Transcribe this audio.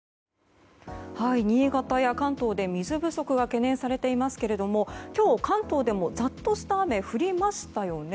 新潟や関東で水不足が懸念されていますけど今日、関東でもざっとした雨、降りましたよね。